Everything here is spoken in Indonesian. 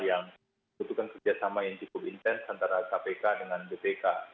yang butuhkan kerjasama yang cukup intens antara kpk dengan bpk